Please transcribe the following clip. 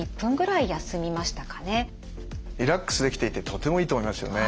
リラックスできていてとてもいいと思いますよね。